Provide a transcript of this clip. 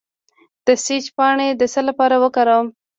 د سیج پاڼې د څه لپاره وکاروم؟